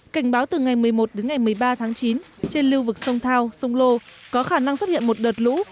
cảnh báo từ ngày một mươi một đến ngày một mươi ba tháng chín trên lưu vực sông thao sông lô có khả năng xuất hiện một đợt lũ